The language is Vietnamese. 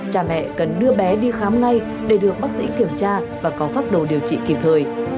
cha mẹ cần đưa bé đi khám ngay để được bác sĩ kiểm tra và có phác đồ điều trị kịp thời